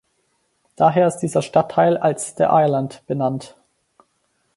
Daher ist dieser Stadtteil als "The Island" benannt.